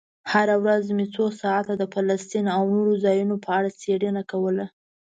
هره ورځ مې څو ساعته د فلسطین او نورو ځایونو په اړه څېړنه کوله.